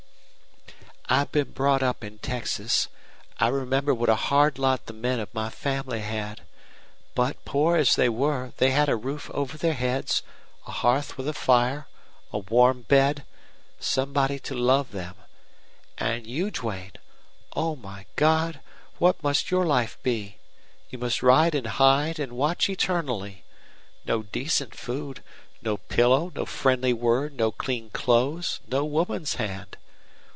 "I've been brought up in Texas. I remember what a hard lot the men of my family had. But poor as they were, they had a roof over their heads, a hearth with a fire, a warm bed somebody to love them. And you, Duane oh, my God! What must your life be? You must ride and hide and watch eternally. No decent food, no pillow, no friendly word, no clean clothes, no woman's hand!